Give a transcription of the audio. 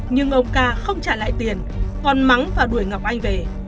nhưng ông ca không trả lại tiền còn mắng và đuổi ngọc anh về